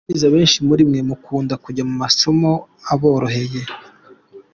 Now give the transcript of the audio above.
Ndabizi abenshi muri mwe mukunda kujya mu masomo aboroheye.